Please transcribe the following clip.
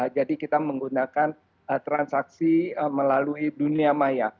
jadi kita menggunakan transaksi melalui dunia maya